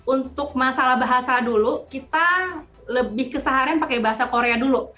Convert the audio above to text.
untuk masalah bahasa dulu kita lebih keseharian pakai bahasa korea dulu